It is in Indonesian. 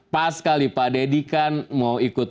pas sekali pak deddy kan mau ikut